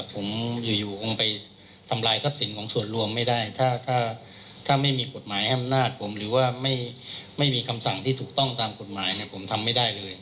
ผมอยู่คงไปทำลายสับสินของส่วนรวมไม่ได้